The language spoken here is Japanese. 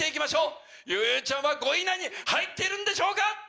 ちゃんは５位以内に入っているんでしょうか